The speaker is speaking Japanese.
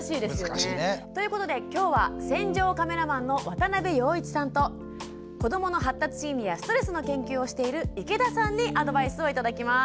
難しいね。ということで今日は戦場カメラマンの渡部陽一さんと子どもの発達心理やストレスの研究をしている池田さんにアドバイスを頂きます。